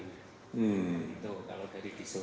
begitu kalau dari kisu